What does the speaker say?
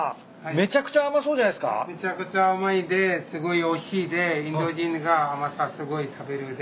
めちゃくちゃ甘いですごいおいしいでインド人が甘さすごい食べるで。